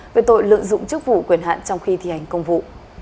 về tội lợi dụng chức vụ quyền hạn trong khi thi hành công vụ